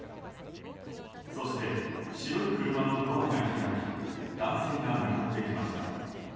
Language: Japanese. そして白い車のドアが開き男性が向かってきました。